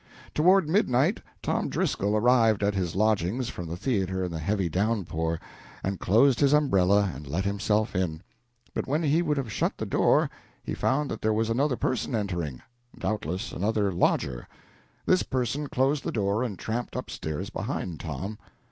Toward midnight Tom Driscoll arrived at his lodgings from the theatre in the heavy downpour, and closed his umbrella and let himself in; but when he would have shut the door, he found that there was another person entering doubtless another lodger; this person closed the door and tramped up stairs behind Tom.